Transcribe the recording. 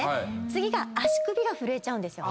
次が足首が震えちゃうんですよ。